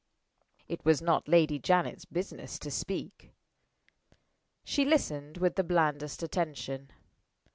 It was not Lady Janet's business to speak. She listened with the blandest attention.